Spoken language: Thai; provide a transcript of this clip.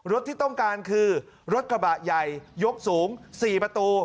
ที่ต้องการคือรถกระบะใหญ่ยกสูง๔ประตู